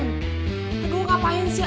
teguh ngapain sih abah